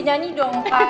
nyanyi dong pak